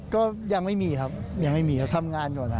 ก็ยังไม่มีครับยังไม่มีครับทำงานก่อน